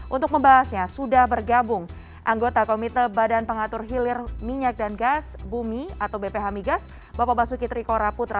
untuk membahasnya sudah bergabung anggota komite badan pengatur hilir minyak dan gas bumi atau bph migas bapak basuki trikora putra